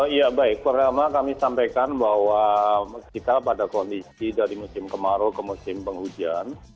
ya baik pertama kami sampaikan bahwa kita pada kondisi dari musim kemarau ke musim penghujan